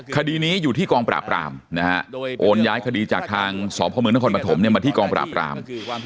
คดีนี้อยู่ที่กองปราบรามนะฮะโอนย้ายคดีจากทางสพมนครปฐมมาที่กองปราบราม